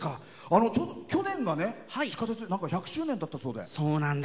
去年、地下鉄１００周年だったそうで。